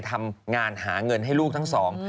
ทำงานหาเงินให้ลูกทั้งสอง